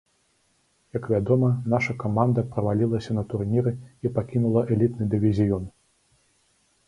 Як вядома, наша каманда правалілася на турніры і пакінула элітны дывізіён.